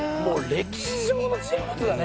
歴史上の人物だねもう。